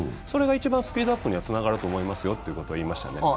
それが一番スピードアップにはつながると思いますよと言いましたね。